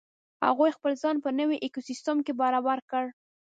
هغوی خپل ځان په نوې ایکوسیستم کې برابر کړ.